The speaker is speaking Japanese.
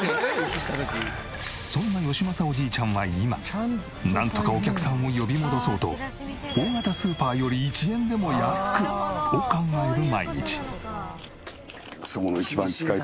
そんな義正おじいちゃんは今なんとかお客さんを呼び戻そうと「大型スーパーより１円でも安く」を考える毎日。